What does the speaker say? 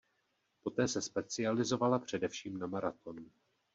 Poté se specializovala především na maraton.